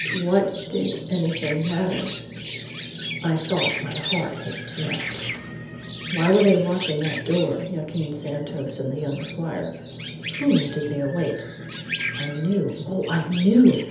What did anything matter I thought my heart had snapped! Why were they watching that door, Joaquin Santos and the young squire? Whom did they await? I knew! Oh, I knew!